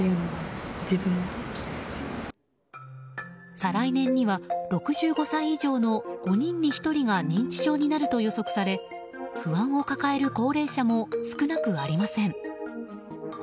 再来年には６５歳以上の５人に１人が認知症になると予測され不安を抱える高齢者も少なくありません。